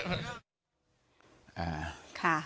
ขอบคุณครับคุณแม่ง